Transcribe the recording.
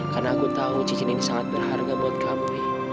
karena aku tahu cincin ini sangat berharga buat kamu